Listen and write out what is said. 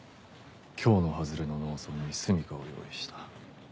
京の外れの農村にすみかを用意した。